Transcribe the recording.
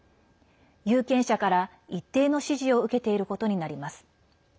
有権者から一定の支持を受けていることになります。